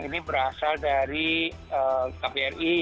ini berasal dari kpri